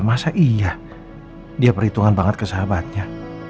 masa iya dia perhitungan banget ke sahabatnya